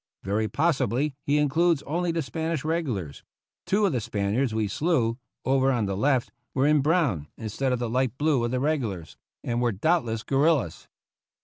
Very possibly he includes only the Spanish regulars ; two of the Spaniards we slew, over on the left, were in brown, instead of the light blue of the regur lars, and were doubtless guerillas.